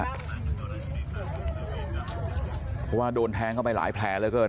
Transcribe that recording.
เพราะว่าโดนแทงอยู่ที่เขาไปหลายแผลเรือเกิน